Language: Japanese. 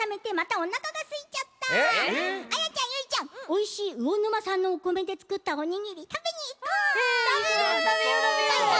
おいしい魚沼さんのおこめでつくったおにぎりたべにいこう！いこう。